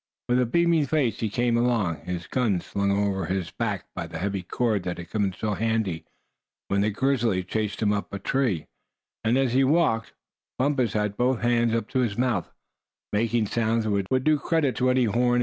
With a beaming face he came along, his gun slung over his back by the heavy cord that had come in so handy when the grizzly chased him up a tree; and as he walked Bumpus had both hands up to his mouth, making sounds that would do credit to any horn.